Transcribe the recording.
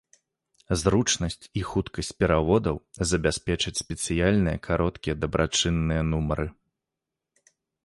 Зручнасць і хуткасць пераводаў забяспечаць спецыяльныя кароткія дабрачынныя нумары.